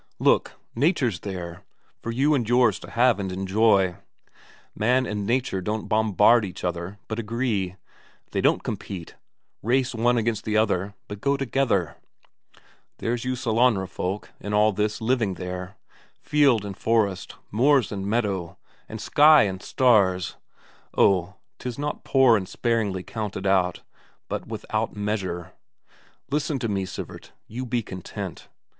Look, Nature's there, for you and yours to have and enjoy. Man and Nature don't bombard each other, but agree; they don't compete, race one against the other, but go together. There's you Sellanraa folk, in all this, living there. Fjeld and forest, moors and meadow, and sky and stars oh, 'tis not poor and sparingly counted out, but without measure. Listen to me, Sivert: you be content!